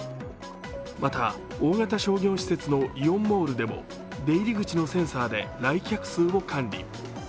また、大型商業施設イオンモールでも出入り口のセンサーで来客数を管理。